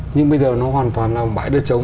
nhưng bây giờ nó hoàn toàn là bãi đất trống